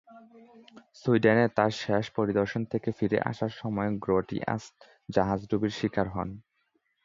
সুইডেনে তার শেষ পরিদর্শন থেকে ফিরে আসার সময়, গ্রোটিয়াস জাহাজডুবির শিকার হন।